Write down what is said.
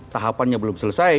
tahapannya belum selesai